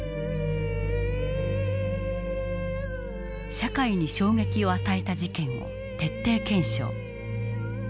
社会に衝撃を与えた事件を徹底検証。